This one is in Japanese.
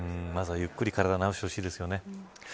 まずはゆっくり体を治してほしいですよね。